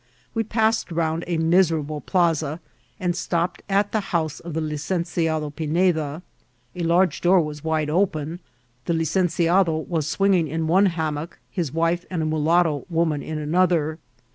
We passed round a miserable plaxa, and stopped at the house of the Licenciado I^ine da. A large door was wide open ; the licenciado was swinging in one hammock, his wife and a mulatto woman in another.